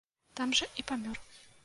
Там жа і памёр.